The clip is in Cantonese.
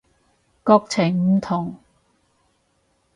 國情唔同